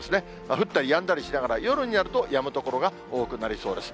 降ったりやんだりしながら、夜になるとやむ所が多くなりそうです。